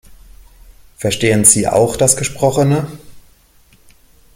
Verstehen Sie auch das Gesprochene?